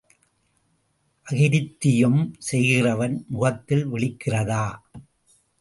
அகிருத்தியம் செய்கிறவன் முகத்தில் விழிக்கிறதா?